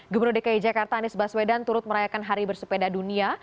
gubernur dki jakarta anies baswedan turut merayakan hari bersepeda dunia